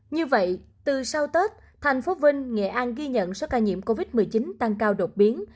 như vậy từ sau tết thành phố vinh nghệ an ghi nhận số ca nhiễm covid một mươi chín tăng cao đột biến